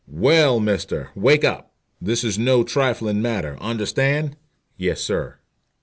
"Well, mister, wake up. This is no trifling matter. Understand?" "Yes, sir."